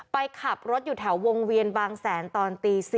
ไปขับรถอยู่แถววงเวียนบางแสนตอนตี๔